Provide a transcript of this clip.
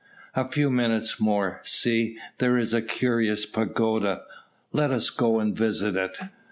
"A few minutes more. See, there is a curious pagoda, let us go and visit it."